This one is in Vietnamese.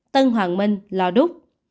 tân hoàng minh lò đúc